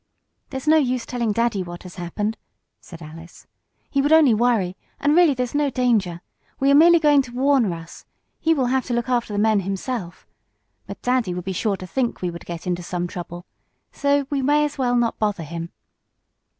"There's no use telling daddy what has happened," said Alice. "He would only worry, and really there's no danger. We are merely going to warn Russ. He'll have to look after the men himself. But daddy would be sure to think we would get into some trouble. So we may as well not bother him."